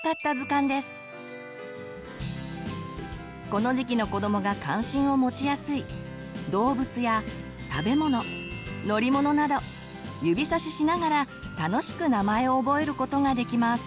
この時期の子どもが関心を持ちやすい「動物」や「食べ物」「乗り物」など指さししながら楽しく名前を覚えることができます。